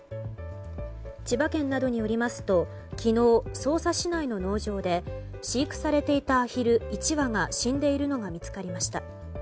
千葉県などによりますと昨日、匝瑳市内の農場で飼育されていたアヒル１羽が死んでいるのが見つかりました。